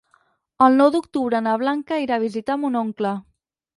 El nou d'octubre na Blanca irà a visitar mon oncle.